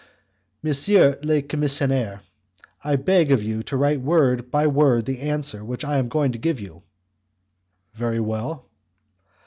"Monsieur le Commissaire, I beg of you to write word by word the answer which I am going to give you." "Very well."